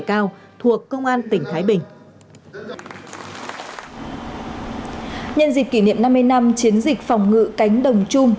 cao thuộc công an tỉnh thái bình nhân dịch kỷ niệm năm mươi năm chiến dịch phòng ngự cánh đồng chung